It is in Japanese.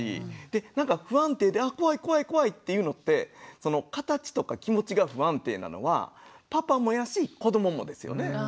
で不安定であ怖い怖い怖いっていうのって形とか気持ちが不安定なのはパパもやし子どももですよね。